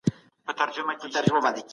دا یوه پاکه او دوامداره سرچینه ده.